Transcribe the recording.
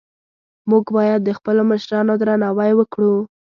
موږ باید د خپلو مشرانو درناوی وکړو